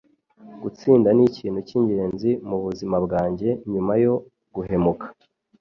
Gutsinda nikintu cyingenzi mubuzima bwanjye, nyuma yo guhumeka.